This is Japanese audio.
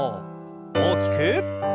大きく。